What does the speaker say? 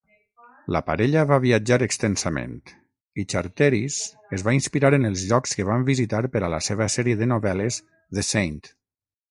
La parella va viatjar extensament, i Charteris es va inspirar en els llocs que van visitar per a la seva sèrie de novel·les "The Saint".